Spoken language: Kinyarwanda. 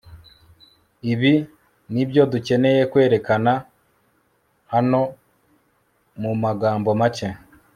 ibi nibyo dukeneye kwerekana hano mumagambo make